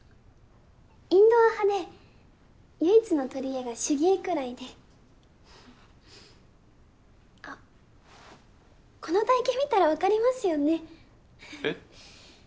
インドア派で唯一のとりえが手芸くらいであっこの体形見たら分かりますよねえっ？